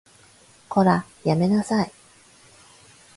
こら、やめなさい